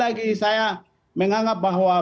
lagi saya menganggap bahwa